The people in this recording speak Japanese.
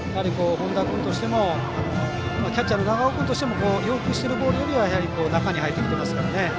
本田君としてもキャッチャーの長尾君としても要求してるボールよりは中に入ってきてますからね。